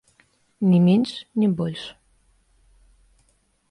Ні менш, ні больш.